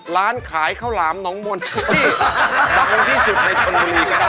ร้านขายข้าวหลามหนองมนต์ที่ดังที่สุดในชนบุรีก็ได้